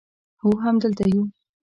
هو همدلته یو